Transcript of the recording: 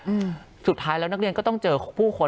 เพราะฉะนั้นทำไมถึงต้องทำภาพจำในโรงเรียนให้เหมือนกัน